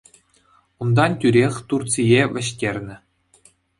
Унтан тӳрех Турцие вӗҫтернӗ.